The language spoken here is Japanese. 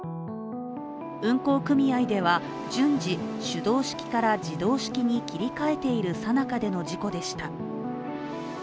運航組合では、順次手動式から自動式に切り替えているさなかでの事故でした。